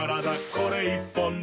これ１本で」